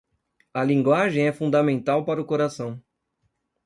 A linguagem é fundamental para o coração.